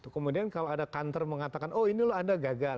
kemudian kalau ada counter mengatakan oh ini loh anda gagal